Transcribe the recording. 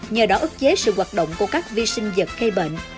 nhờ đó ức chế sự hoạt động của các vi sinh vật gây bệnh